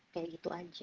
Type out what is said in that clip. kayak gitu aja